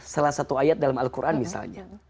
salah satu ayat dalam al quran misalnya